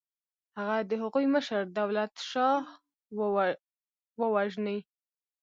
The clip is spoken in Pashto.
هغه د هغوی مشر دولتشاهو وژني.